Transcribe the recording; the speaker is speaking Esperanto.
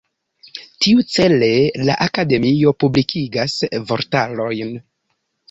Tiucele la Akademio publikigas vortarojn.